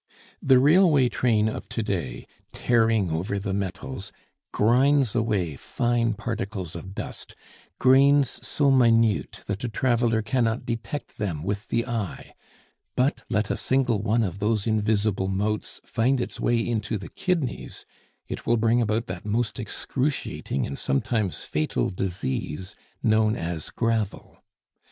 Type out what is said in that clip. The railway train of to day, tearing over the metals, grinds away fine particles of dust, grains so minute that a traveler cannot detect them with the eye; but let a single one of those invisible motes find its way into the kidneys, it will bring about that most excruciating, and sometimes fatal, disease known as gravel.